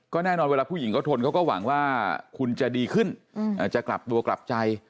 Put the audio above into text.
แน่นอนเวลาผู้หญิงเขาทนเขาก็หวังว่าคุณจะดีขึ้นจะกลับตัวกลับใจ